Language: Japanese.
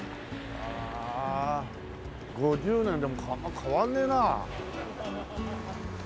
ああ５０年でも変わらねえな。